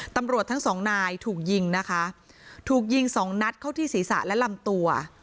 ตำรวจทั้งสองนายถูกยิงนะคะถูกยิงสองนัดเข้าที่ศีรษะและลำตัว